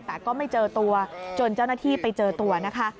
แต่ก็ไม่เจอตัวจนเจ้าหน้าที่ไปเจอตัวนะคะ